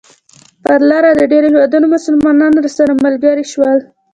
پر لاره د ډېرو هېوادونو مسلمانان راسره ملګري شول.